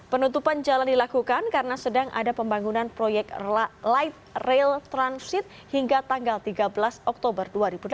penutupan jalan dilakukan karena sedang ada pembangunan proyek light rail transit hingga tanggal tiga belas oktober dua ribu delapan belas